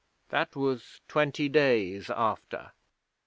That was twenty days after.'